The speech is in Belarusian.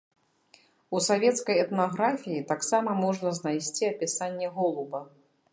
У савецкай этнаграфіі таксама можна знайсці апісанне голуба.